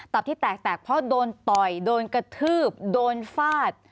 ที่แตกแตกเพราะโดนต่อยโดนกระทืบโดนฟาด